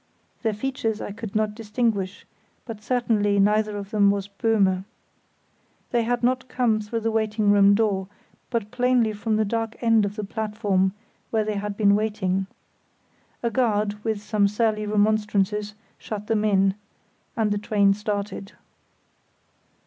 Their features I could not distinguish, but certainly neither of them was Böhme. They had not come through the waiting room door, but, plainly, from the dark end of the platform, where they had been waiting. A guard, with some surly remonstrances, shut them in, and the train started.